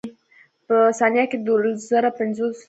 دا په ثانيه کښې دولز زره پنځه سوه مټره مزل کوي.